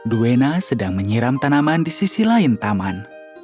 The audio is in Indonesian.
duena sedang menyiram tanaman di sisi lain taman